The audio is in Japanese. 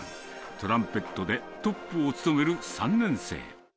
トランペットでトップを務める３年生。